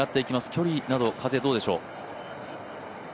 距離など、風、どうでしょう。